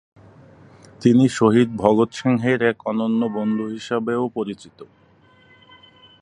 তিনি শহীদ ভগৎ সিংহের এক অনন্য বন্ধু হিসাবেও পরিচিত।